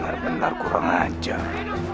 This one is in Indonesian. benar benar kurang ajar